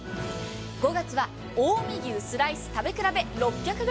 ５月は近江牛スライス食べ比べ６００ｇ。